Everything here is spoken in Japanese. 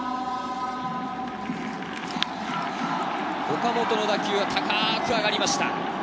岡本の打球は高く上がりました。